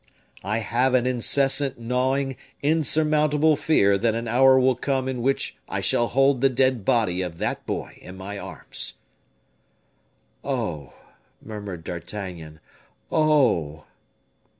I have an incessant gnawing, insurmountable fear that an hour will come in which I shall hold the dead body of that boy in my arms." "Oh!" murmured D'Artagnan; "oh!"